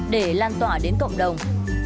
để lan tỏa đến cộng đồng